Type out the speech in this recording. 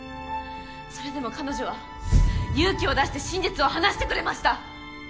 それでも彼女は勇気を出して真実を話してくれました。